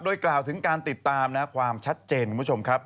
โดยกล่าวถึงการติดตามความชัดเจนคุณผู้ชมครับ